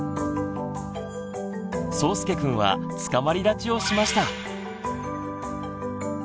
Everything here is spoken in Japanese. そうすけくんはつかまり立ちをしました。